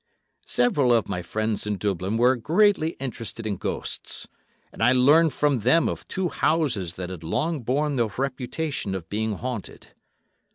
Several of my friends in Dublin were greatly interested in ghosts, and I learned from them of two houses that had long borne the reputation of being haunted.